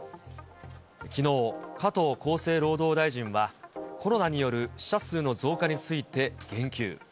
きのう、加藤厚生労働大臣は、コロナによる死者数の増加について言及。